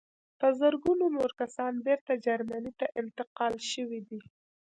په زرګونه نور کسان بېرته جرمني ته انتقال شوي دي